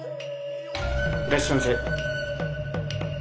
いらっしゃいませ。